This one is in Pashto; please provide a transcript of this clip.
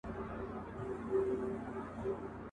نجاري د بيزو کار نه دئ.